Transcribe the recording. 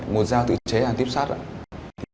một dao tự chế là tuyếp sắt